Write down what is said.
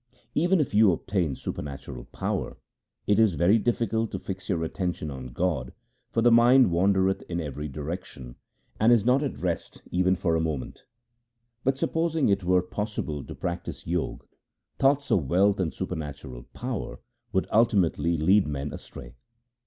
Even if you obtain supernatural power, it is very difficult to fix your attention on God, for the mind wandereth in every direction, and is not at s 2 26o THE SIKH RELIGION rest even for a moment. But, supposing it were possible to practise Jog, thoughts of wealth and supernatural power would ultimately lead men astray.